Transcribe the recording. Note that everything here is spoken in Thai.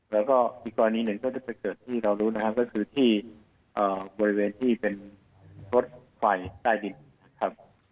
แล้วก็อีกกรณีหนึ่งก็จะเกิดที่เรารู้นะครับก็คือที่บริเวณที่เป็นรถไฟใต้ดินนะครับ